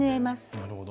なるほど。